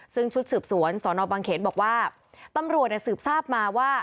ซึ่งชุดสืบสวนสอนอบังเขนบอกว่าตำรวจสืบทราบมาว่า